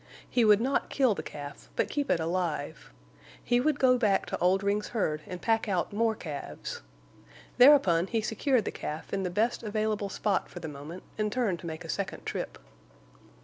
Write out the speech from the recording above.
He would not kill the calf, but keep it alive. He would go back to Oldring's herd and pack out more calves. Thereupon he secured the calf in the best available spot for the moment and turned to make a second trip.